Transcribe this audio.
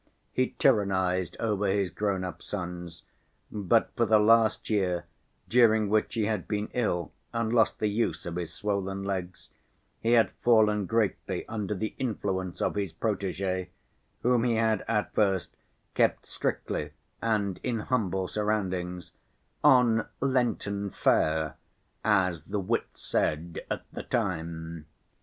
He tyrannized over his grown‐up sons, but, for the last year during which he had been ill and lost the use of his swollen legs, he had fallen greatly under the influence of his protégée, whom he had at first kept strictly and in humble surroundings, "on Lenten fare," as the wits said at the time.